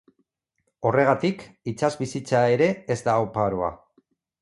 Horregatik, itsas bizitza ere ez da oparoa.